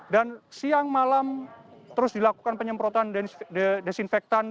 dan siang malam terus dilakukan penyemprotan disinfektan